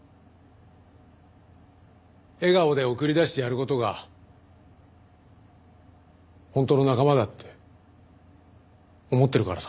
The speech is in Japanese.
笑顔で送り出してやる事が本当の仲間だって思ってるからさ。